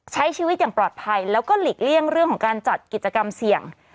ใช้ชีวิตอย่างปลอดภัยแล้วก็หลีกเลี่ยงเรื่องของการจัดกิจกรรมเสี่ยง